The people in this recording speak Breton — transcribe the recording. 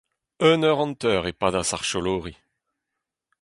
Un eur hanter e padas ar cholori.